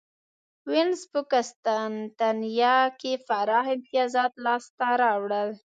وینز په قسطنطنیه کې پراخ امیتازات لاسته راوړل.